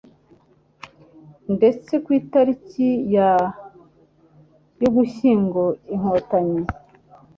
ndetse ku itariki ya Ugushyingo Inkotanyi